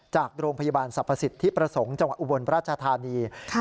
จากโรงพยาบาลสรรพสิทธิประสงค์จังหวัดอุบลราชธานี